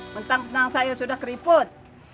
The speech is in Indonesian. bentang bentang saya sudah keriput